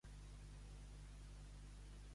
Al Masroig, el blat tendral.